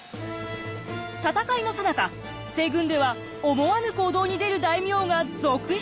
戦いのさなか西軍では思わぬ行動に出る大名が続出。